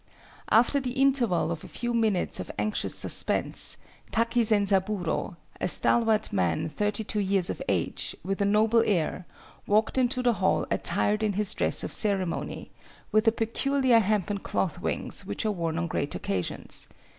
"After the interval of a few minutes of anxious suspense, Taki Zenzaburo, a stalwart man thirty two years of age, with a noble air, walked into the hall attired in his dress of ceremony, with the peculiar hempen cloth wings which are worn on great occasions.